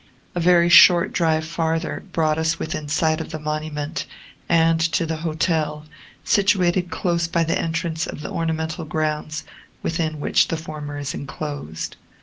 A very short drive farther brought us within sight of the monument, and to the hotel, situated close by the entrance of the ornamental grounds within which the former is enclosed.